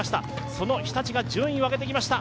その日立が順位を上げてきました。